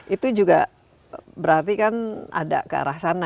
itu juga berarti kan ada ke arah sana